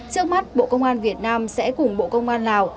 trước mắt bộ công an việt nam sẽ cùng bộ công an lào